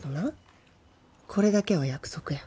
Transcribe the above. これだけは約束や。